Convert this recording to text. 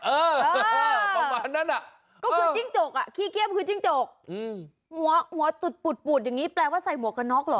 เออประมาณนั้นอ่ะขี้เกียมคือทิ้งจกหมวะตุดปุดอย่างนี้แปลว่าใส่หมวกกันนอกเหรอ